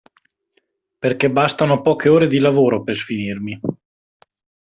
Perché bastano poche ore di lavoro per sfinirmi.